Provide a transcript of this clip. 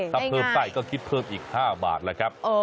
ถ้าเพิ่มไส้ก็คิดเพิ่มอีก๕บาทแล้วครับ